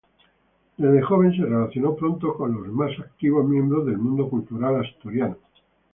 Desde joven se relacionó pronto con los más activos miembros del mundo cultural asturiano.